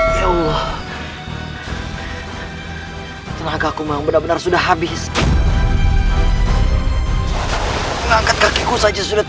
titikku tuhan sama dellahit mandsela